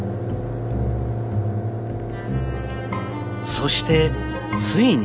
そしてついに。